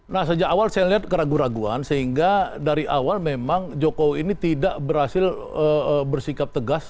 nah sejak awal saya lihat keraguan keraguan sehingga dari awal memang jokowi ini tidak berhasil bersikap tegas